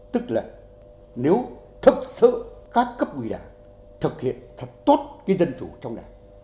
tức là nếu thật sự các cấp quỳ đảng thực hiện thật tốt cái dân chủ trong đảng